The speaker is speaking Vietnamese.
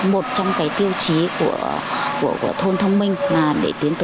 một trong tiêu chí của thôn thông minh là để tiến tục bảo đảm an ninh trật tự trên địa bàn